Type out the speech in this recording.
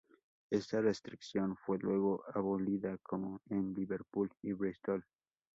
Esta restricción fue luego abolida como en Liverpool y Bristol.